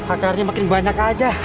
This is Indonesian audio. akarnya makin banyak aja